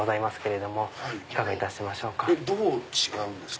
どう違うんですか？